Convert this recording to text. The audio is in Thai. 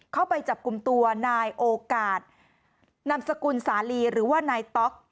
เข้าไปจับกลุ่มตัวนายโอกาสนามสกุลสาลีหรือว่านายต๊อก